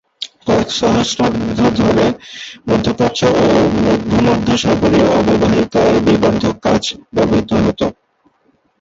কয়েক সহস্রাব্দ ধরে মধ্যপ্রাচ্য ও ভূমধ্যসাগরীয় অববাহিকায় বিবর্ধক কাচ ব্যবহৃত হতো।